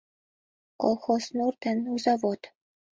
Колхоз нур ден у завод